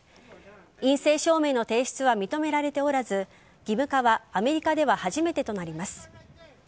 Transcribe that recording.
陰性証明の提出は認められておらず義務化はアメリカでは初めてとなります。